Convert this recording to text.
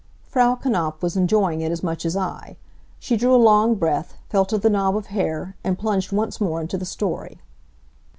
Frau Knapf was enjoying it as much as I. She drew a long breath, felt of the knob of hair, and plunged once more into the story.